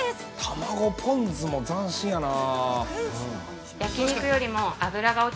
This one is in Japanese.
◆卵・ポン酢も斬新やな。